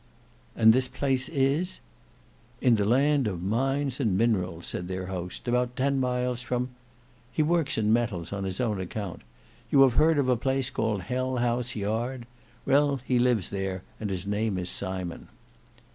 "And this place is—" "In the land of mines and minerals," said their host; "about ten miles from ——. He works in metals on his own account. You have heard of a place called Hell house Yard; well, he lives there; and his name is Simon."